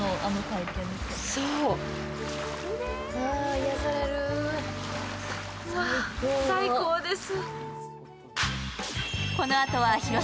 癒やされる、最高です。